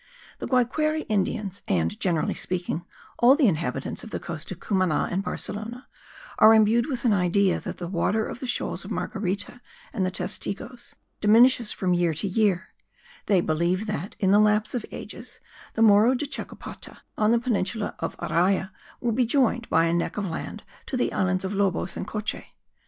The Guayquerie Indians and, generally speaking, all the inhabitants of the coast of Cumana and Barcelona, are imbued with an idea that the water of the shoals of Marguerita and the Testigos diminishes from year to year; they believe that, in the lapse of ages, the Morro do Chacopata on the peninsula of Araya will be joined by a neck of land to the islands of Lobos and Coche.